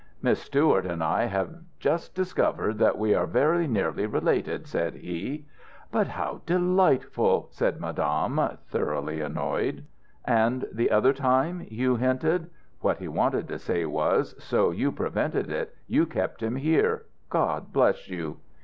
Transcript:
"'Miss Stewart and I have just discovered that we are very nearly related,' said he. "'But how delightful,' said Madame, thoroughly annoyed." "And the other time," Hugh hinted. What he wanted to say was, "So you prevented it, you kept him here, God bless you!"